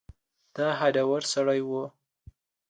دی هډور سړی و.